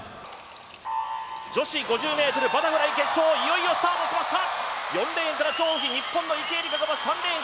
女子５０ｍバタフライ決勝、いよいよスタートしました。